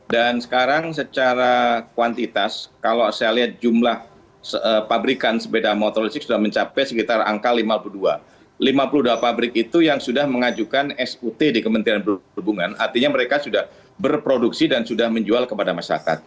dan sekarang secara kuantitas kalau saya lihat jumlah pabrikan sepeda motor listrik sudah mencapai sekitar angka lima puluh dua lima puluh dua pabrik itu yang sudah mengajukan sut di kementerian perhubungan artinya mereka sudah berproduksi dan sudah menjual kepada masyarakat